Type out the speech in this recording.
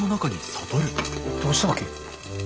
どうしたわけ？